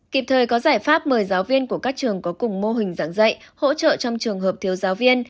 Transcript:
kịp thời có giải pháp mời giáo viên của các trường có cùng mô hình giảng dạy hỗ trợ trong trường hợp thiếu giáo viên